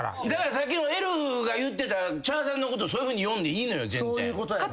さっきのエルフが言ってた茶さんのことそういうふうに呼んでいいのよ全然。